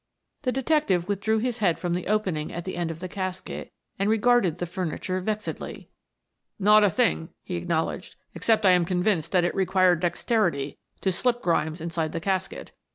The detective withdrew his head from the opening at the end of the casket, and regarded the furniture vexedly. "Not a thing," he acknowledged. "Except I am convinced that it required dexterity to slip Grimes inside the casket.